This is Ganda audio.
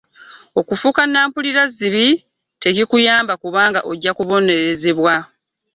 Okufuuka nampulirazzibi tekikuyamba kubanga ojja kubonerezebwa.